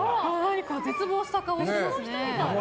絶望した顔をしてますね。